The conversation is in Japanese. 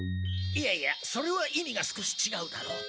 いやいやそれは意味が少しちがうだろう。